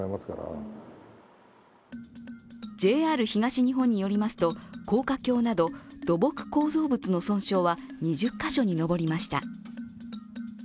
ＪＲ東日本によりますと、高架橋など土木構造物の損傷は２０カ所に上りました。